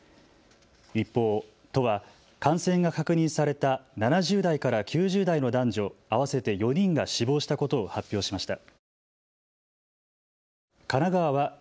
一方、都は感染が確認された７０代から９０代の男女合わせて４人が死亡したことを発表しました。